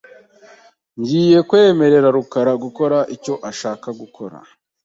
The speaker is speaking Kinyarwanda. Ngiye kwemerera rukara gukora icyo ashaka gukora .